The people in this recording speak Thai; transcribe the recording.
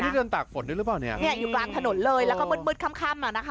นี่เบิร์นตากฝนด้วยหรือเปล่าอยู่กลางถนนเลยแล้วก็มืดคำ